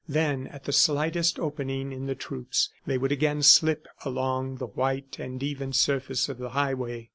Then at the slightest opening in the troops they would again slip along the white and even surface of the highway.